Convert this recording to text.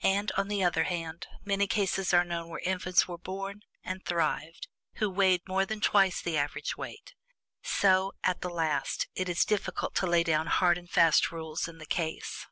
And, on the other hand, many cases are known where infants were born, and thrived, who weighed more than twice the average weight. So, at the last, it is difficult to lay down hard and fast rules in the case.